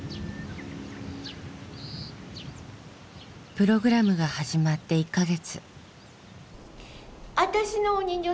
プログラムが始まって１か月。